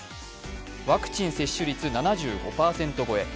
ワクチン接種率７５％超え。